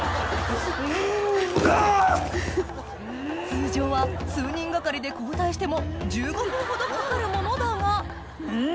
通常は数人がかりで交代しても１５分ほどかかるものだがうん！